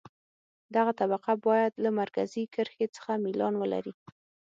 دغه طبقه باید له مرکزي کرښې څخه میلان ولري